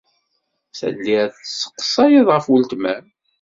Telliḍ tesseqsayeḍ ɣef weltma-m.